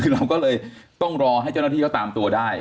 เราก็เลยต้องรอให้เจ้าหน้าที่เขาตามตัวได้